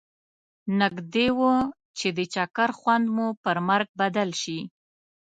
نږدي و چې د چکر خوند مو پر مرګ بدل شي.